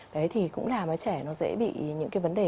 đấy thì cũng làm cho trẻ nó dễ bị những cái vấn đề